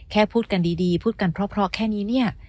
พูดกันดีพูดกันเพราะแค่นี้เนี่ย